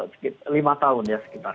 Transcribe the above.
sekitar lima tahun ya sekitar